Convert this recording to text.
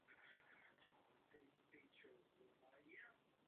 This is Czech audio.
Růst obchodního schodku v takovém rozsahu je neudržitelný.